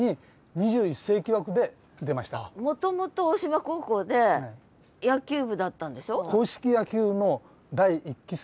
もともと大島高校で野球部だったんでしょ？